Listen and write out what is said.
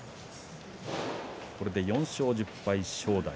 これで４勝１０敗、正代。